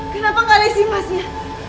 kenapa gak ada isi emasnya